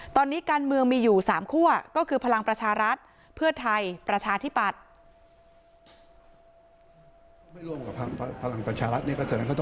ตอนนี้การเมื่อมีอยู่๓ขั้วก็คือภักดิ์พลังประชารัฐ